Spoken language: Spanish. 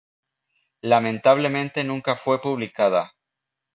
Lamentablemente nunca fue publicada.